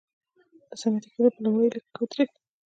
د صنعتي کېدو په لومړۍ لیکه کې ودرېد.